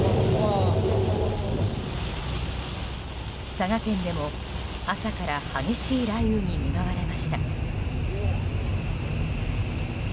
佐賀県でも、朝から激しい雷雨に見舞われました。